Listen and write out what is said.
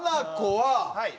はい。